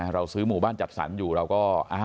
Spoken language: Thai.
เราซื้อหมู่บ้านจัดสรรอยู่เราก็